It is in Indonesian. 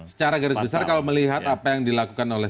secara garis besar kalau melihat apa yang dilakukan oleh